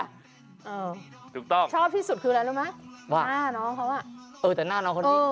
ถูกต้องชอบที่สุดคืออะไรรู้ไหมว่าหน้าน้องเขาอ่ะเออแต่หน้าน้องคนนี้